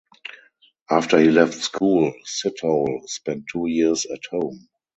After he left school Sithole spent two years at home.